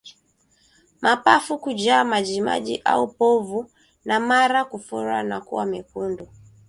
Mapafu kujaa majimaji au povu na mara kufura na kuwa mekundu